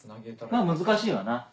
まぁ難しいわな。